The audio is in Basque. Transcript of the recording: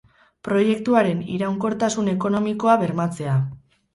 Proiektuaren iraunkortasun ekonomikoa bermatzea